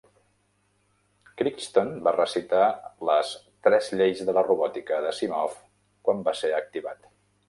Crichton va recitar les "Tres lleis de la robòtica" d'Asimov quan va ser activat.